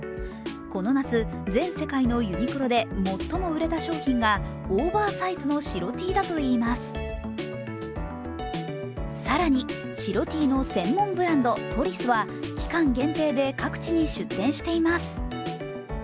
この夏、全世界のユニクロで最も売れた商品がオーバーサイズの白Ｔだといいます、更に白Ｔの専門ブランド、ＴＯＲＩＨＳは期間限定で各地に出店しています。